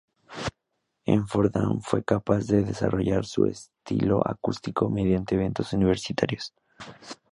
En Fordham fue capaz de desarrollar su estilo acústico mediante eventos universitarios.